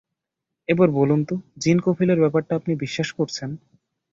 এখন বলুন তো জিন কফিলের ব্যাপারটা আপনি বিশ্বাস করছেন?